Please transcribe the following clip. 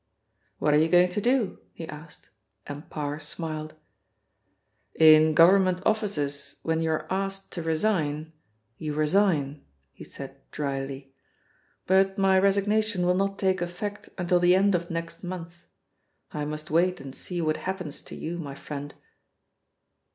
"What are you going to do?" he asked, and Parr smiled. "In Government offices when you are asked to resign, you resign," he said drily. "But my resignation will not take effect until the end of next month. I must wait and see what happens to you, my friend."